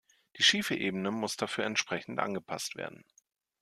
Die schiefe Ebene muss dafür entsprechend angepasst werden.